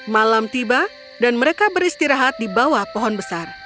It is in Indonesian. malam tiba dan mereka beristirahat di bawah pohon besar